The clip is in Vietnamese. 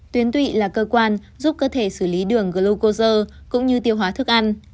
tuyến tụy là cơ quan giúp cơ thể xử lý đường glucozer cũng như tiêu hóa thức ăn